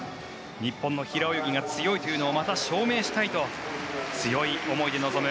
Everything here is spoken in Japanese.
日本の平泳ぎが強いというのをまた証明したいと強い思いで臨む